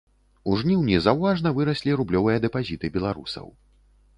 У жніўні заўважна выраслі рублёвыя дэпазіты беларусаў.